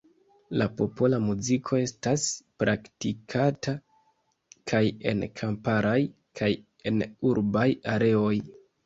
La popola muziko estas praktikata kaj en kamparaj kaj en urbaj areoj.